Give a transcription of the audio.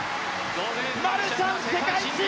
マルシャン、世界新！